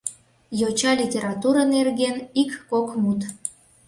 Йоча литература нерген ик-кок мут.